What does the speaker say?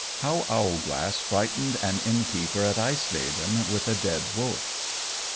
_How Owlglass frightened an Innkeeper at Eisleben with a dead Wolf.